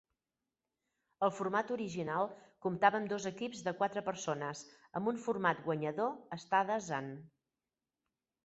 El format original comptava amb dos equips de quatre persones amb un format guanyador-estades-en.